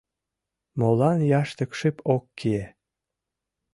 Молан яштык шып ок кие?